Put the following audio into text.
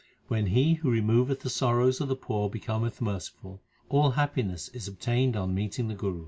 When He who removeth the sorrows of the poor becometh merciful, all happiness is obtained on meeting the Guru.